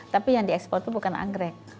tapi yang diekspor itu bukan anggrek